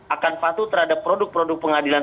akan patuh terhadap produk produk pengadilan